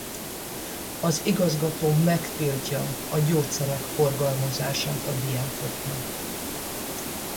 Az igazgató megtiltja a gyógyszerek forgalmazását a diákoknak.